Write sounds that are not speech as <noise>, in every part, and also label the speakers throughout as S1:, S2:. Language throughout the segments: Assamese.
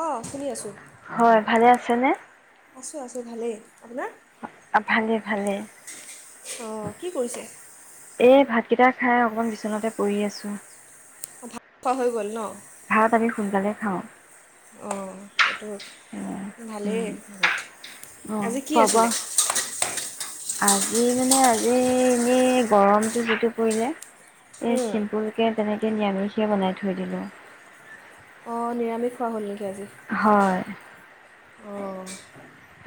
S1: অঁ শুনি আছোঁ
S2: হয়, ভালে আছে। আছেনে
S1: আছোঁ আছোঁ ভালেই। আপোনাৰ
S2: আ, ভালে ভালে।
S1: অঁ কি কৰিছে
S2: এই ভাতকেইটা খাই অকমান বিচনাতে পৰি আছো
S1: ভ খোৱা হৈ গ'ল ন
S2: আমি সোনকালে খাওঁ।
S1: অঁ এইটো ভালেই
S2: উম,
S1: বহুত।
S2: অ
S1: আজি কি
S2: পাবা।
S1: আছিলে
S2: আজি মানে আজি এনেই গৰমটো যিটো পৰিলে, এ
S1: উম,
S2: চিম্পুল কে তেনেকে নিয়ামিছ এতিয়া বনাই থৈ দিলোঁ।
S1: অ নিৰামিষ খোৱা হ'ল নেকি? আজি
S2: হয়।
S1: অঁ।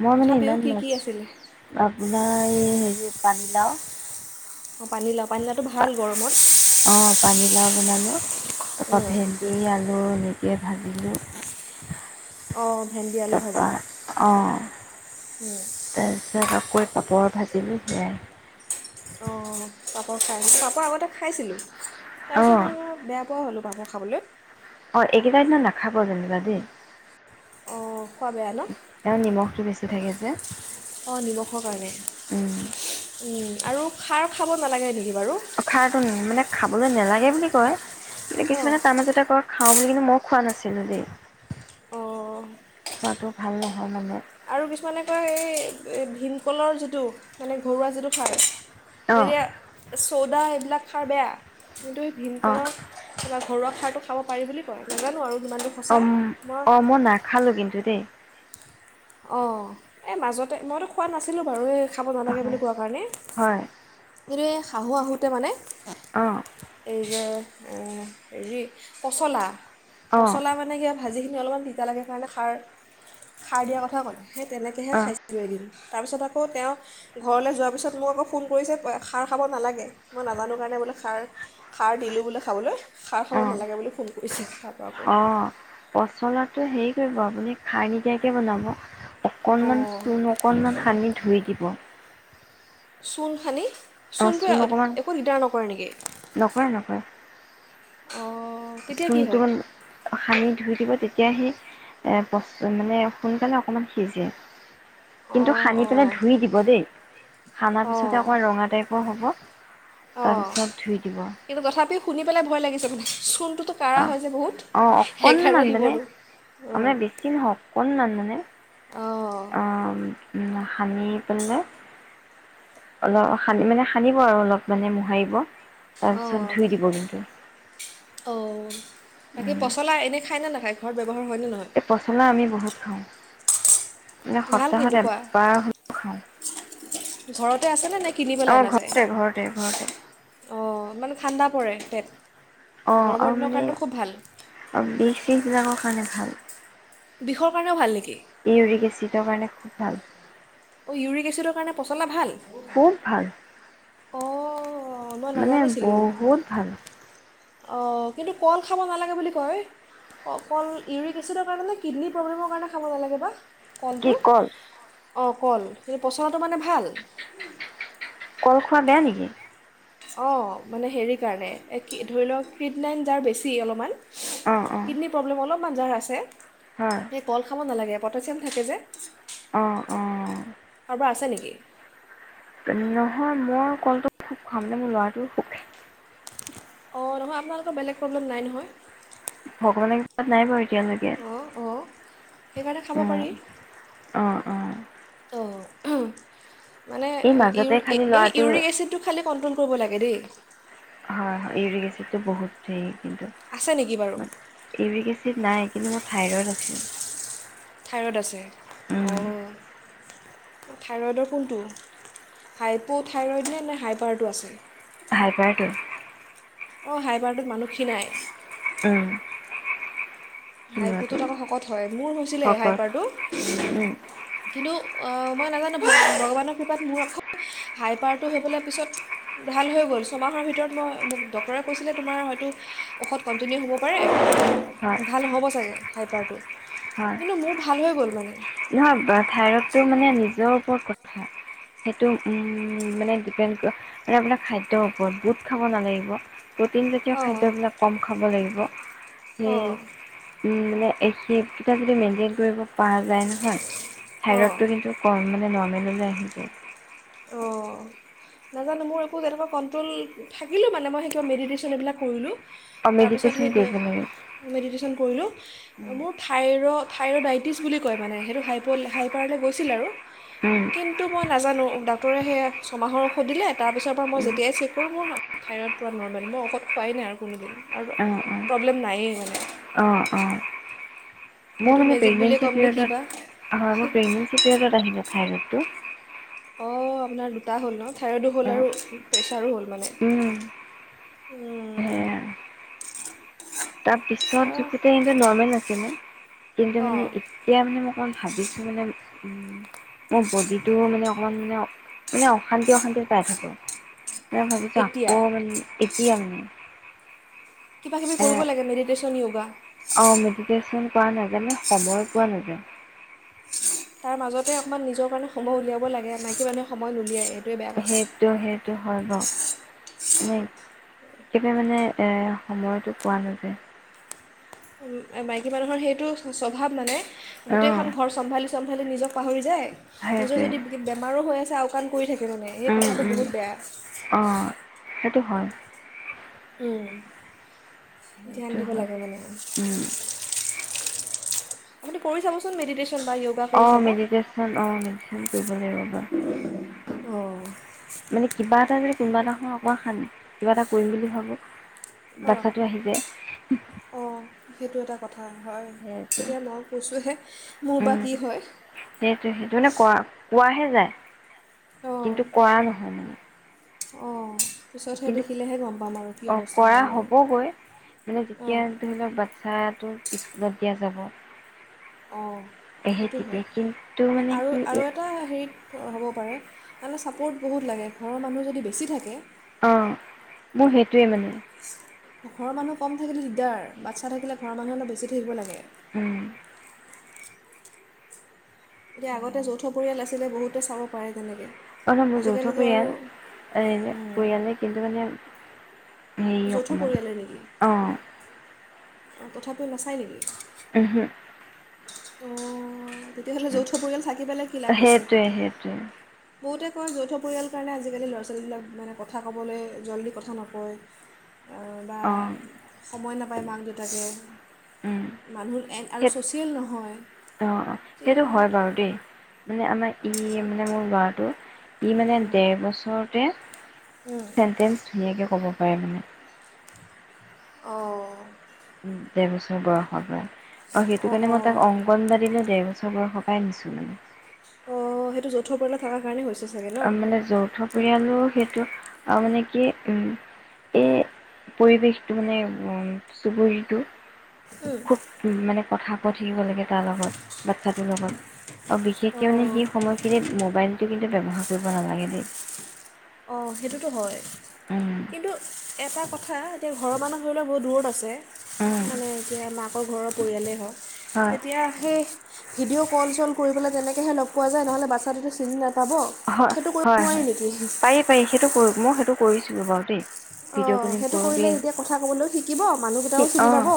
S2: মই মানে
S1: তথাপিও
S2: ইমান
S1: কি কি
S2: নাছো
S1: আছিলে
S2: আপোনাৰ হে পানী লাওঁ
S1: অঁ পানীলাও পানীলাটো ভাল গৰমত।
S2: অ' পানীলাও বনালোঁ। তাৰ পৰা
S1: উম,
S2: ভেন্দি আলু ভাজিলোঁ।
S1: অ
S2: তাৰপৰা অ
S1: উম,
S2: <unintelligible> কাপোৰ। কৈ পাপৰ ভাজিলোঁ সেয়াই।
S1: অঁ পাপৰ খাইছিল পাপৰ আগতে খাইছিলোঁ। তাৰ পিছত
S2: অ',
S1: মই বেয়া পোৱা হলো। পাপৰ খাবলৈ।
S2: অ এইকেইটাৰ দিনা নাখাব যেনিবা দেই।
S1: অঁ খোৱা বেয়া
S2: এ নিমখটো বেছি থাকে যে
S1: অ নিমখৰ কাৰণে
S2: উম,
S1: উম আৰু খাৰ খাব নালাগে নেকি বাৰু?
S2: অ খাৰটো মানে খাবলৈ নেলাগে বুলি কয়। কিন্তু
S1: অঁ
S2: কিছুমানে তাৰমাজতে ক খাওঁ বুলি কিন্তু মই খোৱা নাছিলো দেই
S1: অঁ
S2: খোৱাটো ভাল নহয় মানে।
S1: আৰু কিছুমানে কয় এই ভীমকলৰ যিটো মানে ঘৰুৱা যিটো খাৰ মে
S2: অ',
S1: চৌদা এইবিলাক খাৰ বেয়া। কিন্তু এই
S2: অ',
S1: ভীমকলৰ কিবা ঘৰুৱা খৰটো খাব পাৰি বুলি কয় নাজানো আৰু কিমানটো
S2: অ
S1: সঁচা
S2: অ মই নাখালো কিন্তু দেই।
S1: অ এই মাজতে মইতো খোৱা নাছিলো বাৰু এই খাব নালাগে বুলি
S2: হয়,
S1: কোৱা কাৰণে
S2: হয়,
S1: সেইটোৱে শাহু আহোঁতে মানে
S2: অ',
S1: এইবা হেৰি পচলা
S2: অ',
S1: পচলা মানে কি ভাজি অলপমান দিগদাৰ লাগে মানে কাৰণে সাৰ সাৰ দিয়া কথা কিয় কৰে? সেই তেনেকেহে
S2: অ', অ',
S1: খাইছিলোঁ এদিন। তাৰপিছত আকৌ তেওঁ ঘৰলৈ যোৱাৰ পিছত মোক আকৌ ফোন কৰিছে খাৰ খাব নালাগে মই নাজানো কাৰণে বোলে খাৰ খাৰ দিলোঁ বোলে খাবলৈ চাহ খাব নালাগে বুলি ফোন কৰিছে তাৰ পৰা আকৌ
S2: কি আপুনি খাই নকিয়াকৈ বনাব অকণমান
S1: অঁ
S2: চূণ অকনমান সানি ধুই দিব
S1: চূণসানি
S2: অ',
S1: চোনটো
S2: চূণ অকণমান
S1: একো দিগদাৰ নকৰে নেকি
S2: নকৰে নকৰে
S1: অ
S2: চূণটো সানি ধুই দিব তেতিয়াই সোনকালে বস্তু মানে সোনকালে অকমান সিজে কিন্তু
S1: অঁ
S2: সানি
S1: অঁ
S2: মিলাই ধুই দিব দেই সানা পিছতে
S1: অঁ
S2: অক ৰঙা টাইপ হ'ব
S1: অঁ
S2: তাৰপিছত ধুই দিব
S1: কিন্তু তথাপি শুনি পেলাই ভয় লাগিছে মানে কাঢ়া
S2: অ
S1: হয় যে বহুত
S2: অ
S1: সেইকাৰণে
S2: অকনমান
S1: দিব
S2: মানে অ
S1: নোৱাৰোঁ
S2: মানে বেছি নহওক অকনমান মানে
S1: অঁ
S2: অ উ সানি পেলাই অলপ সানি মানে সানিব আৰু অলপ মানে মোহাৰিব
S1: অ
S2: তাৰপিছত ধুই দিব কিন্তু
S1: অ বাকী পচলা এনেই খায় ন নাখায়। ঘৰত ব্যৱহাৰ হয়নে নহয়
S2: এই পচলা আমি বহুত খাওঁ। মানে
S1: ভাল
S2: সপ্তাহত
S1: কিন্তু খোৱা
S2: এবাৰ হে খাওঁ
S1: ঘৰতে আছে নে নাই
S2: অ
S1: কিনিবলে নাযায়
S2: ঘৰতে ঘৰতে ঘৰতে
S1: অঁ মানে ঠাণ্ডা পৰে তেৎ
S2: অ আৰু মানে বিশ বিলাকৰ মানে ভাল
S1: বিষৰ কাৰণেও ভাল লাগে
S2: ইউৰিক এচিডৰ কাৰণে ভাল।
S1: অ ইউৰিক এচিডৰ কাৰণে পচলা ভাল
S2: খুব ভাল।
S1: অ
S2: মানে বহুত ভাল
S1: অঁ কিন্তু কল খাব নালাগে বুলি কয় কল ইউৰিক এচিডৰ কাৰণে নে কিডনী প্ৰব্লেমৰ কাৰণে খাব নালাগে বা
S2: কি
S1: কলটো
S2: কল
S1: অ কল পচলাটো মানে ভাল
S2: কল খোৱা বেয়া নেকি?
S1: অ মানে হেৰি কাৰণে ধৰি লওক কডনাইন যাৰ বেছি অলপমান
S2: অ অ
S1: কিডনি প্ৰব্লেম অ'লপ বজাৰ আছে
S2: হয়
S1: সেই কল খাব নালাগে পটাছিয়াম থাকে যে
S2: অ অ
S1: কাৰোবাৰ আছে নেকি?
S2: নহয় মই কলটো সুখ খাম মানে মোৰ লৰাটোও সুখ
S1: অঁ নহয় আপোনালোকৰ বেলেগ প্ৰব্লেম নাই নহয়?
S2: ভগৱানৰ কিবাত নাই বাৰু এতিয়ালৈকে
S1: অঁ অঁ সেইকাৰণে খাব পাৰি
S2: অ অ
S1: ত' মানে
S2: এই মাজতে
S1: ইউ
S2: খালি
S1: এই
S2: ল'ৰাটো
S1: ইউৰিক এচিডটো খালি কণ্ট্ৰল কৰিব লাগে দেই
S2: হয় হয় ইউৰিক এচিডটো বহুত হেৰি কিন্তু
S1: আছে নেকি বাৰু
S2: ইউৰিক এচিত নাই কিন্তু মোৰ থাইৰইড আছে।
S1: থাইৰড আছে
S2: উম
S1: অঁ থাইৰইডৰ কোনটো হাইপ' থাইৰইড নে নে হাইপাৰটো আছে?
S2: হাইপাৰটো
S1: অঁ হাইপাৰটোত মানুহ খিনাই
S2: উম
S1: হাইপটো থকা শকত হয় মোৰ হৈছিলে
S2: শকত
S1: হাইপাৰটো
S2: উম
S1: কিন্তু মই নাজানো ভগৱানৰ কৃপাত মোৰ অখ হাই পাৰটো হৈ পেলাই পিছত ভাল হৈ গ'ল ছমাহৰ ভিতৰত মই মোক ডক্টৰে কৈছিলে তোমাৰ হয়তো ঔষধ কণ্টিনিউ হ'ব পাৰে
S2: হয়
S1: হ'ব চাগে খাইপাৰটো।
S2: হয়
S1: কিন্তু মোৰ ভাল ভাল হৈ গ'ল মানে
S2: নহয় থাইৰইডটো মানে নিজৰ ওপৰত কথা সেইটো উ মানে ডপেড আপাৰ খাদ্যৰ ওপৰত বোট খাব নালাগিব। প্ৰটিন জাতীয়
S1: অঁ
S2: খাদ্যবিলাক কম খাব লাগিব।
S1: অঁ
S2: উম-উম, এই কেইটাপ যদি মেইনটেইন কৰিব পৰা যায় ন। হয়।
S1: অঁ
S2: থাইৰতটো কিন্তু কম মানে ন, নৰমেলৈ আহি যায়।
S1: অঁ' নাজানো মোৰ একো তেনেকুৱা কণ্ট্ৰল থাকিলোঁ মানে মই সেইটোা মেডিটেশ্যন এইবিলাক কৰিলোঁ।
S2: অ
S1: তাৰপিছত
S2: মেডিটেশ্যন
S1: সেই
S2: কৰিব লাগে।
S1: মেডিটেশ্যন কৰিলোঁ
S2: উম
S1: মোৰ থাইৰ থাইৰড ইটিছ বুলি কয় মানে সেইটো হাইপ হাইপাৰলৈ গৈছিল আৰু।
S2: উম
S1: কিন্তু মই নাজানো, <unintelligible> ডক্টৰে সেই ছমাহৰ ঔষধ দিলে তাৰপিছৰ পৰা মই
S2: উম,
S1: যেতিয়াই চেক কৰোঁ থাইৰইড পূৰা নৰ্মেল মই ঔষধ খোৱাই নাই আৰু কোনোদিন আৰু
S2: অ
S1: প্ৰব্লেম নায়েই মানে।
S2: অ অ অ মোৰ
S1: এইটো
S2: মানে
S1: মেজিক বুলিয়ে
S2: প্ৰেগনেঞ্চি
S1: ক'ম নে কি বা
S2: পিৰিয়ডত মোৰ প্ৰেগনেঞ্চি পিৰিয়ডত আহিলে থাইৰইডটো।
S1: অ' আপোনাৰ দুটা হ'ল ন থাইৰইডো
S2: অ
S1: হ'ল আৰু প্ৰেছাৰো হ'ল। মানে,
S2: উম
S1: উ,
S2: সেয়া তাৰ পিছত জোখোতে নৰ্মেল আ ছিলে। কিন্তু
S1: অঁ
S2: মানে, এতিয়া মানে মই অকণমান ভাবিছো মানে, উম, মোৰ বডিটো মানে অকণমান ন মানে অশান্তি-অশান্তি পাই থাকো। ভাবিছো
S1: এতিয়া
S2: আকৌ মানে এতিয়া মানে
S1: কিবা-কিবি কৰিব লাগে মেডিটেশ্যন, য়গা।
S2: অ' মেডিটেশ্যন কৰা নাজানে সময় পোৱা নাযায়।
S1: তাৰ মাজতে অকণমান নিজৰ কাৰণে সময় উলিয়াব লাগে মাইকি মানুহে সময় নুলিয়াইয়ে।
S2: সেইটো-সেইটো হয় বাৰু। মে এতিয়া মানে এ সময়তো পোৱা নাযায়।
S1: মাইকী মানুহৰ সেইটো স্বভাৱ মানে
S2: অঁ
S1: গোটেইখন ঘৰ চম্ভালি চমভালি নিজক পাহৰি যায়। নিজৰ
S2: সেইটোৱে
S1: যদি বেমাৰো হৈ আছে আওকাণ থাকে মানে সেই কথাটো বহুত বেয়া।
S2: অঁ সেইটো হয়।
S1: উম, ধ্যান
S2: সেইটো
S1: দিব
S2: হয়
S1: লাগে মানে। কি আপুনি কৰি চাবচোন মেডিটেচন
S2: অ মেডিটেশ্যন আহ মেডিটেশ্যন কৰিব লাগিব ৰবা
S1: অঁ
S2: মানে কিবা এটা যদি কোনোবা এটা <unintelligible> কিবা এটা কৰিম বুলি ভাবো বাচ্ছাটো আহি যায়
S1: অঁ সেইটো এটা কথা
S2: সেইটোৱে
S1: এতিয়া মই কৈছোঁহে মোৰ বা
S2: উম
S1: কি হয়
S2: নাই
S1: অঁ
S2: কিন্তু কৰা নহয় মানে
S1: অঁ পিছতহে
S2: কিন্তু
S1: দেখিলেহে গম পাম আৰু কি
S2: অ
S1: অৱস্থা
S2: কৰা
S1: হয় মানে
S2: হ'বগৈ মানে যেতিয়া
S1: অঁ
S2: ধৰি লওক বাচ্ছাত স্কুলত দিয়া যাব
S1: অঁ
S2: সেই
S1: সেইটো
S2: তেতিয়া কিন্তু
S1: হয়
S2: মানে
S1: আৰু
S2: কি
S1: আৰু এটা হেৰিত হ'ব পাৰে মানে ছাপৰ্ট বহুত লাগে ঘৰৰ মানুহ যদি বেছি থাকে
S2: অ মোৰ সেইটো
S1: ঘৰৰ মানুহ কম থাকে দিগদাৰ বাচ্চা থাকিলে ঘৰৰ মানুহ অলপ বেছি থাকিব লাগে
S2: উম
S1: এতিয়া আগতে যৌথ পৰিয়াল আছিলে বহুতে চাব পাৰে তেনেকে
S2: অ মোৰ যৌথ পৰিয়াল এ
S1: উম,
S2: পৰিয়ালে কিন্তু মানে সেই
S1: যৌথ
S2: অকমান আহ
S1: অ তথাপিও নাচাই নেকি
S2: উমহো
S1: অ তেতিয়াহ'লে যৌথ পৰিয়াল থাকি পেলাই কি লাভ হৈছে
S2: সেইটোৱে সেইটোৱে
S1: বহুতে কয় যৌথ পৰিয়ালৰ কাৰণে আজিকালি ল'ৰা ছোৱালীবিলাক মানে কথা ক'বলৈ জল্দি কথা নকয় বা
S2: অঁ
S1: সময় না পায় মাক দেউতাকে
S2: উম,
S1: মানুহ আৰু
S2: সেই
S1: ছ'চিয়েল নহয়
S2: অ অ সেইটো
S1: এতিয়া
S2: হয় বাৰু দেই মানে আমাৰ ই মানে মোৰ লৰাটো ই মানে ডেৰ বছৰ তে চেন্টেঞ্চ ধুনীয়াকে ক'ব। পাৰে মানে।
S1: অ'।
S2: ডেৰ বছৰ বয়সৰ পৰা। অ, সেইটো
S1: অঁ
S2: কাৰণে মই
S1: অঁ
S2: তাক অংকনবাডীনে ডেৰ বছৰ বয়সৰ পৰাই নিছোঁ মানে
S1: অ সেইটো যৌথ পৰিয়ালত থাকা কাৰণে হৈছে চ
S2: আ মানে যৌথ পৰিয়ালো সেইটো টো অহ মানে কি উম এই পৰিৱেশটো মানে উম চুবুৰীটো খুব মানে কথা কৈ থাকিব লাগে তাৰ লগত বাচ্ছাটোৰ লগত আৰু বিশেষকৈ মানে
S1: অঁ
S2: সেই সময়খিনিত মোবাইলটো কিন্তু ব্যৱহাৰ কৰিব নালাগে দেই।
S1: অ সেইটোতো হয়।
S2: উম
S1: কিন্তু এটা কথা এতিয়া ঘৰৰ মানুহ ধৰি লোৱা বহুত দূৰত আছে
S2: উম
S1: মানে এতিয়া মাকৰ ঘৰৰ পৰিয়ালেই হওক
S2: হয়
S1: তেতিয়া সেই ভিডিঅ' কল-চল কৰিবলৈ তেনেকেহে লগ পোৱা যায় নহ'লে বাচ্ছটোতো চিনি না পাব,
S2: হয়
S1: সেইটো
S2: হয়
S1: কৰিব নোৱাৰি
S2: হয়
S1: নেকি?
S2: পাৰি পাৰি সেইটো কৰো ময়ো সেইটো কৰিছিলো বাৰু দেই।
S1: অ
S2: ভিডিঅ' কলিং
S1: সেইটো
S2: কৰোঁ দেই
S1: কৰিলে তেতিয়া কথা ক'বলৈও শিকিব
S2: সি
S1: মানুহকেইটাও চিনি
S2: অঁ
S1: পাব।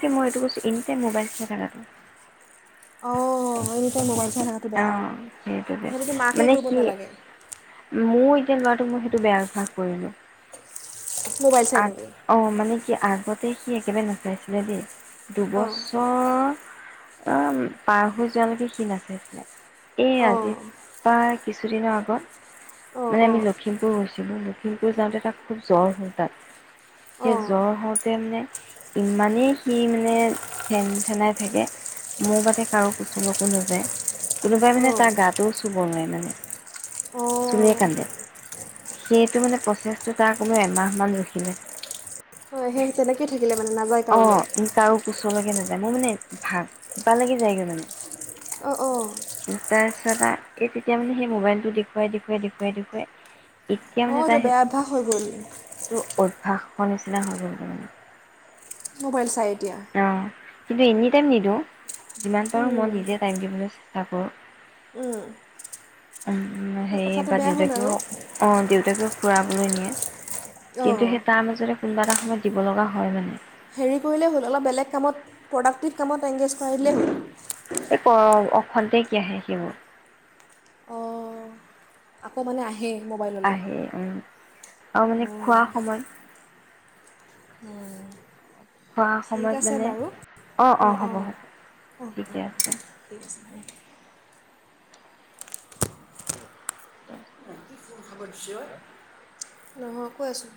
S2: এই মই এইটো কৈছো এনিটাইম মোবাইল চাই থাকা
S1: অ এনিটাইম মোবাইল চাই থাকাটো বেয়া অ
S2: অঁ সেইটোকে
S1: সেইটোতো মাকে
S2: মানে
S1: কৰিব
S2: সি
S1: নালাগে।
S2: মোৰ এতিয়া লৰাটোক মই সেইটো বেয়া অভ্যাস কৰিলো
S1: মোবাইল চাই নেকি?
S2: সি আগতে সি একেবাৰে নাচাইছিলে দেই।
S1: অঁ
S2: দুবছৰ অ পাৰ হৈ যোৱালৈকে সি নাচাই এ
S1: অঁ
S2: আজি পা কিছুদিনৰ আগত
S1: অঁ
S2: মানে আমি
S1: অঁ
S2: লখিমপুৰ গৈছিলো। লখিমপুৰ যাওতে তাৰ খুব জ্বৰ হ'ল তাত। সেই
S1: অঁ
S2: জ্বৰ হওতে মানে ইমানেই সি মানে থেন-থেনাই থাকে, মোৰ বাদে কাৰো কুচলৈকো নাযায়। কোনোবাই মানে
S1: অঁ
S2: তাৰ গাটোও চুব নোৱাৰে মানে।
S1: অঁ অঁ
S2: চুলেই কান্দে সেইটো মানে প্ৰচেছটো তাৰ কমেও এমাহ মান লৈ থাকিলে
S1: হয় সেই তেনেকে থা
S2: অ ই তাৰো। <inaudible> <inaudible> নাযায় মোৰ মানে <unintelligible> লাগো যায়গে মানে।
S1: অঁ অঁ <unintelligible>
S2: <unintelligible> এই তেতিয়া মানে সেই মোবাইলটো দেখুৱাই দেখুৱাই দেখুৱাই দেখুৱাই। এতিয়া
S1: অঁ
S2: মানে
S1: এইটো
S2: তাৰ
S1: বেয়া অভ্যাস হৈ গ'ল।
S2: ভাত খোৱা নিচিনা হৈ গল মানে।
S1: মোবাইল চাইট। এতিয়া।
S2: অঁ কিন্তু এনি টাইম নিদিওঁ, যিমান পাৰোঁ মই
S1: উম,
S2: নিজে টাইম দিবলৈ চেষ্টা কৰোঁ।
S1: উম,
S2: উম উম।
S1: তো
S2: সেই
S1: কথাটো
S2: এইবাৰ
S1: বেয়া হ'ল আৰু
S2: দেউতাকেও, অঁ দেউতাকেও। ফুৰাবলৈ নিয়ে।
S1: অঁ
S2: কিন্তু সেই তাৰ মাজৰে। কোনবা এটা সময়ত দিব লগা হয় মানে।
S1: হেৰি কৰিলেই হ'ল, অলপ বেলেগ কামত প্ৰডাক্টিভ কামত এংগেজ কৰাই দিলেই হ'ল।
S2: এই কৰ অখন্তে কিয়া হে সেইবোৰ।
S1: অঁ আকৌ মানে আহে।
S2: আহে উম আৰু মানে খোৱা সময়।
S1: উম।
S2: হোৱা সময়ত মানে অ অঁ হ'ব হ'ব
S1: অঁ
S2: ঠিকে
S1: অঁ
S2: আছে।
S1: ঠিক আছে <unintelligible> <unintelligible> নহয় কৈ আছো।